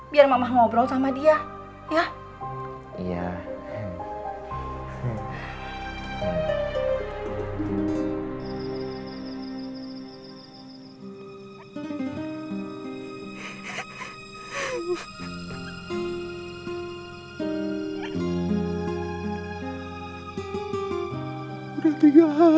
biar mama ngobrol sama dia ya